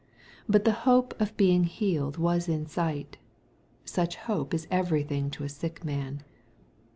But the hope of being healed was in sight. Such hope is everything to a sick man.